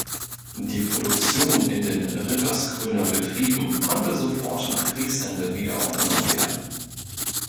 Die Produktion in den Rittersgrüner Betrieben konnte sofort nach Kriegsende wieder aufgenommen werden.